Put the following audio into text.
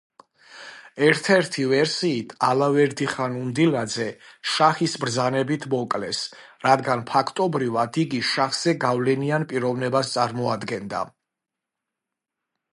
ერთ-ერთი ვერსიით, ალავერდი-ხან უნდილაძე შაჰის ბრძანებით მოკლეს, რადგან ფაქტობრივად იგი შაჰზე გავლენიან პიროვნებას წარმოადგენდა.